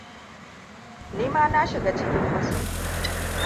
Ni ma na shiga cikin musun.